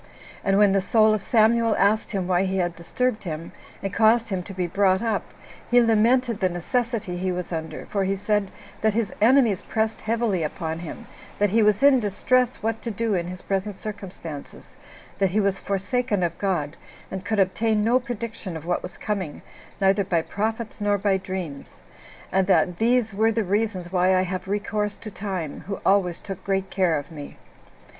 And when the soul of Samuel asked him why he had disturbed him, and caused him to be brought up, he lamented the necessity he was under; for he said, that his enemies pressed heavily upon him; that he was in distress what to do in his present circumstances; that he was forsaken of God, and could obtain no prediction of what was coming, neither by prophets nor by dreams; and that "these were the reasons why I have recourse to time, who always took great care of me."